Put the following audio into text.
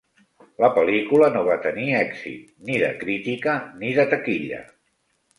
La pel·lícula no va tenir èxit ni de crítica ni de taquilla.